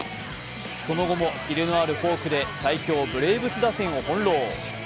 その後も、キレのあるフォークで最強ブレーブス打線を翻弄。